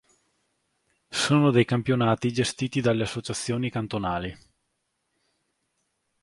Sono dei campionati gestiti dalle associazioni cantonali.